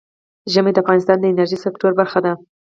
ژمی د افغانستان د انرژۍ سکتور برخه ده.